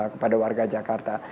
kepada warga jakarta